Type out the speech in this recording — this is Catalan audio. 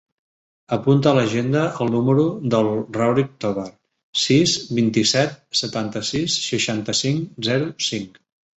Apunta a l'agenda el número del Rauric Tovar: sis, vint-i-set, setanta-sis, seixanta-cinc, zero, cinc.